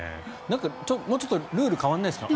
もうちょっとルールが変わらないですかね。